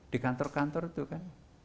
di kantor kantor itu kan